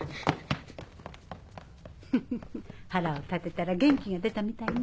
フフフ腹を立てたら元気が出たみたいね。